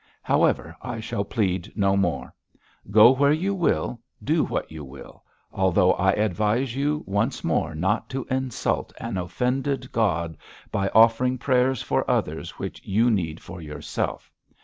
However, I shall plead no more. Go where you will, do what you will, although I advise you once more not to insult an offended God by offering prayers for others which you need for yourself.